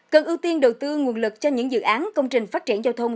cần ưu tiên đầu tư nguồn lực cho những dự án công trình phát triển giao thông